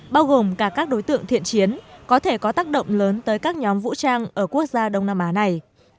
bao gồm cả các đối tượng thiện chiến có thể có tác động lớn tới các nhóm vũ trang ở quốc gia đông nam á này